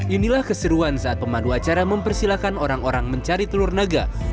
inilah keseruan saat pemandu acara mempersilahkan orang orang mencari telur naga